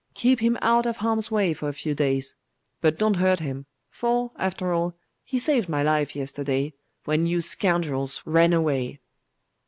Keep him out of harm's way for a few days. But don't hurt him; for, after all, he saved my life yesterday, when you scoundrels ran away.